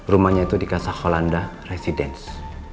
rumahnya itu di casa holanda residence